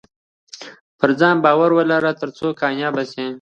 پرځان باور ولره ترڅو کامياب سې